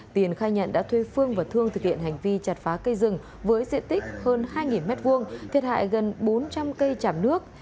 tiền khai nhận đã thuê phương và thương thực hiện hành vi chặt phá cây rừng với diện tích hơn hai m hai thiệt hại gần bốn trăm linh cây chảm nước